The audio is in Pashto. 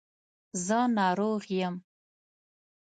زه ناروغ یم